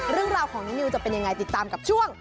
เรื่องราวของน้องนิวจะเป็นยังไงติดตามกับช่วง